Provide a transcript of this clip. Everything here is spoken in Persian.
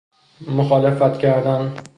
مخالفت کردن